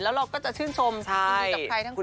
แล้วเราก็จะชื่นชมยินดีกับใครทั้งคู่